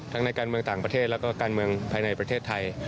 ในการเมืองต่างประเทศแล้วก็การเมืองภายในประเทศไทย